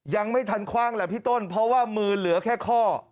ยังไม่ทันคว่างแหละพี่ต้นเพราะว่ามือเหลือแค่ข้อ